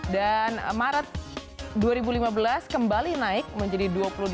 dan maret dua ribu lima belas kembali naik menjadi dua puluh delapan lima puluh sembilan